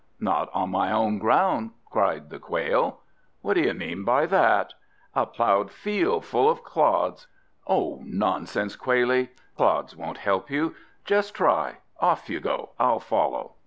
"Not on my own ground!" cried the Quail. "What do you mean by that?" "A ploughed field full of clods." "Oh, nonsense, Quailie, clods won't help you. Just try; off you go! I'll follow."